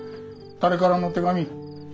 誰からの手紙？